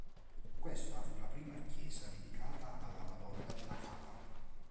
Questa fu la prima chiesa dedicata alla Madonna della Cava.